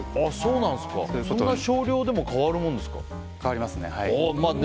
そんな少量でも変わるものですか。